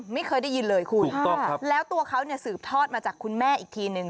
ไม่เคยได้ยินเลยคุณถูกต้องครับแล้วตัวเขาเนี่ยสืบทอดมาจากคุณแม่อีกทีนึง